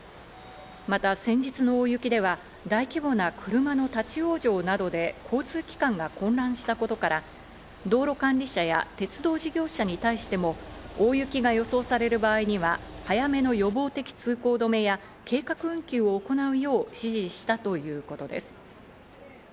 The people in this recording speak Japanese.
また先日の大雪では大規模な車の立ち往生などで交通機関が混乱したことから、道路管理者や鉄道事業者に対しても大雪が予想される場合には早めの予防的通行止めや計画運休を行うよう指示したということです。